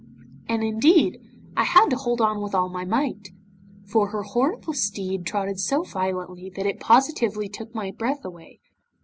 'And, indeed, I had to hold on with all my might, for her horrible steed trotted so violently that it positively took my breath away.